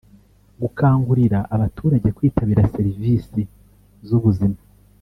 gukangurira abaturage kwitabira serivisi z’ubuzima